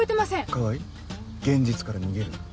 川合現実から逃げるな。